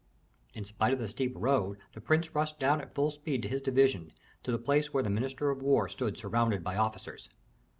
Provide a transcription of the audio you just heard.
In spite of the steep road the prince rushed down at full speed to his division, to the place where the minister of war stood surrounded by officers.